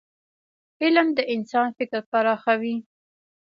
علم د انسان فکر پراخوي.